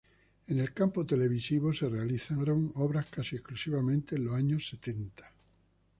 En el campo televisivo, se realizaron obras casi exclusivamente en los años setenta.